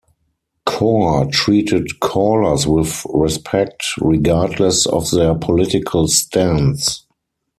Core treated callers with respect regardless of their political stance.